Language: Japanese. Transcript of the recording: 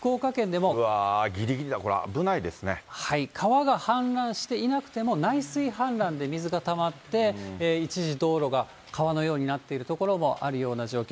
うわー、ぎりぎりだ、川が氾濫していなくても、内水氾濫で水がたまって、一時、道路が川のようになっている所もあるような状況。